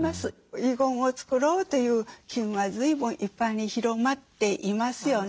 遺言を作ろうという機運はずいぶん一般に広まっていますよね。